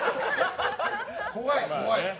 怖い怖い。